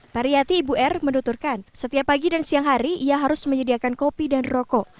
pariyati ibu r menuturkan setiap pagi dan siang hari ia harus menyediakan kopi dan rokok